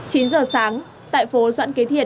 chín h sáng tại phố doãn kế thiện